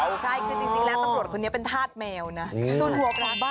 ใช่คือจริงแล้วตำรวจคนนี้เป็นธาตุแมวนะ